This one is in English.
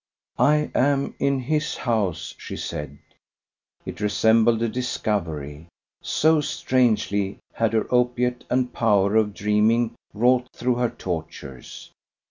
"I am in his house!" she said. It resembled a discovery, so strangely had her opiate and power of dreaming wrought through her tortures.